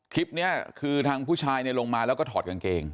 คลิปนี้คือทางผู้ชายลงมาแล้วก็ถอดกางเกง